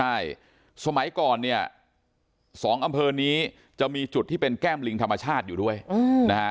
ใช่สมัยก่อนเนี่ย๒อำเภอนี้จะมีจุดที่เป็นแก้มลิงธรรมชาติอยู่ด้วยนะฮะ